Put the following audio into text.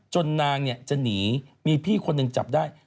นางจะหนีมีพี่คนหนึ่งจับได้